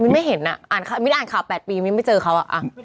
ไม่เห็นนะมิดอ่านข่าว๘ปียังไม่เจอเขา